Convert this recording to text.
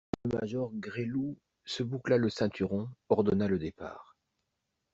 Le major Gresloup se boucla le ceinturon, ordonna le départ.